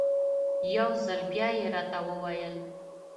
یو ځل بیا یې راته وویل.